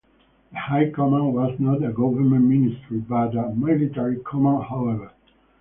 The High Command was not a government ministry, but a military command, however.